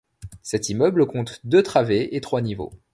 Cet immeuble compte deux travées et trois niveaux.